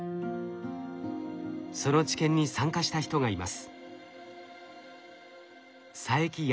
その治験に参加した人がいます。